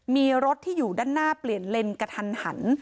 มีรถที่อยู่ด้านหน้าเปลี่ยนเลนกระทันหัน